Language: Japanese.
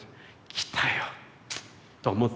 「きたよ」と思って。